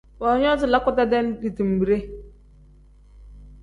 Boonyoozi lakuta-dee dibimbide.